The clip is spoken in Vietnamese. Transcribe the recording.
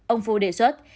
ông phu đề xuất